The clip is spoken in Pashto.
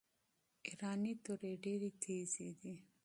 ایرانۍ توري ډیري تیزي دي.